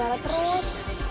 jangan marah marah terus